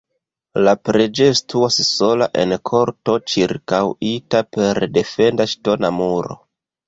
La preĝejo situas sola en korto ĉirkaŭita per defenda ŝtona muro.